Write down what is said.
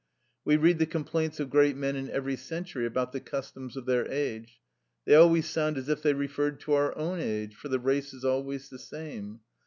We read the complaints of great men in every century about the customs of their age. They always sound as if they referred to our own age, for the race is always the same.